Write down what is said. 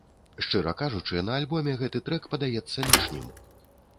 Шчыра кажучы, на альбоме гэты трэк падаецца лішнім.